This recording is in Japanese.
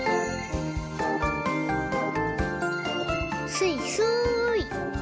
すいすい。